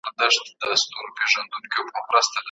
خلګو د علم د ترلاسه کولو هڅه کوله.